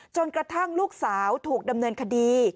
จนกระทั่งลูกสาวถูกดำเนินคดี